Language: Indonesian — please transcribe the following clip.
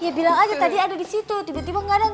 ya bilang aja tadi ada di situ tiba tiba gak ada gak tau